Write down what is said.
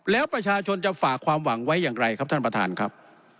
แล้วประชาชนจะฝากความหวังไว้อย่างไรครับท่านประธานครับ